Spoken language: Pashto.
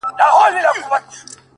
دي روح کي اغښل سوی دومره ـ